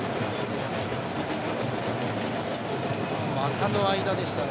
股の間でしたが。